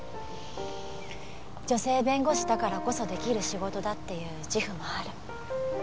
女性弁護士だからこそ出来る仕事だっていう自負もある。